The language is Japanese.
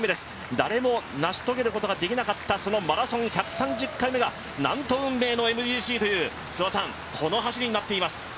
誰も成し遂げることができなかったそのマラソン１３０回目がなんと、運命のＭＧＣという、この走りになっています。